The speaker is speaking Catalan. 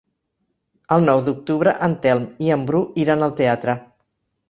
El nou d'octubre en Telm i en Bru iran al teatre.